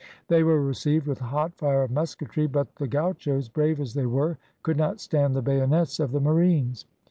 They were received with a hot fire of musketry, but the gauchos, brave as they were, could not stand the bayonets of the marines.